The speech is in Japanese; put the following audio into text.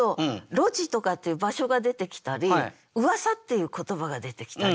「ろじ」とかっていう場所が出てきたり「噂」っていう言葉が出てきたり。